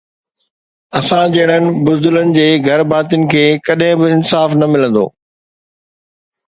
اسان جهڙن بزدلن جي گهر ڀاتين کي ڪڏهن به انصاف نه ملندو